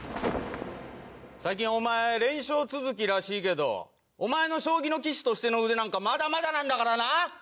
最近お前連勝続きらしいけどお前の将棋の棋士としての腕なんかまだまだなんだからな！